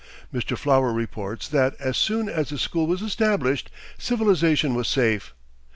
Mr. Flower reports that, as soon as the school was established, civilization was safe.